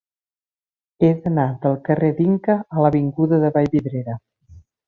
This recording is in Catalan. He d'anar del carrer d'Inca a l'avinguda de Vallvidrera.